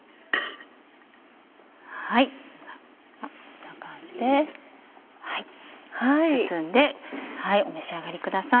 こんな感じで包んでお召し上がりください。